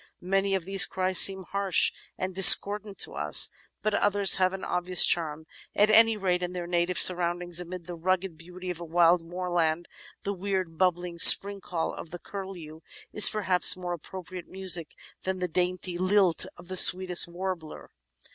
Many of these cries seem harsh and discordant to us, but others have an obvious charm, at any rate, in their native surroundings ; amid the rugged beauty of a wild moorland the weird bubbling spring call of the Curlew is perhaps more appropriate music than the dainty lilt of 438 The Outline of Science the sweetest warbler.